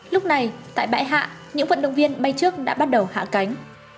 lúc này tại bãi hạ những vận động viên bay trước đã bắt đầu hạ cánh